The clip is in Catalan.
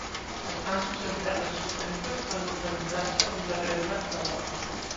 Els masos en terres sorrenques van urbanitzar-se un darrere de l'altre.